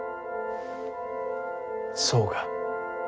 そうか。